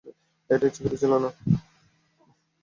এটা ইচ্ছাকৃত ছিল না।